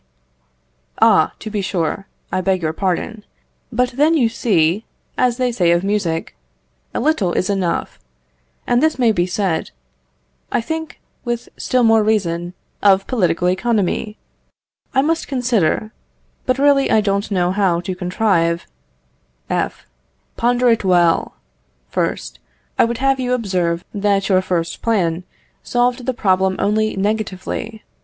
Ah! to be sure; I beg your pardon. But then you see, as they say of music, a little is enough; and this may be said, I think, with still more reason, of political economy. I must consider. But really I don't know how to contrive F. Ponder it well. First, I would have you observe that your first plan solved the problem only negatively.